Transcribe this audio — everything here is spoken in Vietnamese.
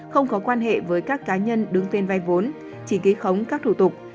không có quan hệ với các cá nhân đứng tên vay vốn chỉ ký khống các thủ tục